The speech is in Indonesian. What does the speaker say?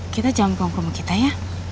kita jangan pulang ke rumah kita ya